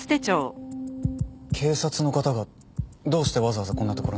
警察の方がどうしてわざわざこんな所に？